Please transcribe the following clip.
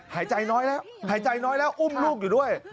หายใจน้อยแล้วอุ้มลูกอยู่ด้วย